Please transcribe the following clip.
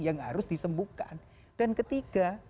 yang harus disembuhkan dan ketiga